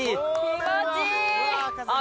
気持ちいい。